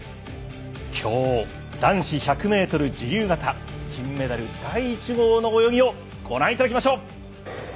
きょう男子１００ｍ自由形金メダル第１号の泳ぎをご覧いただきましょう。